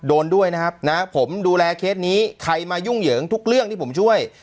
โดนด้วยนะครับนะผมดูแลเคสนี้ใครมายุ่งเหยิงทุกเรื่องที่ผมช่วย